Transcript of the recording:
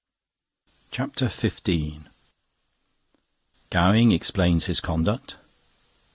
CHAPTER XV Gowing explains his conduct.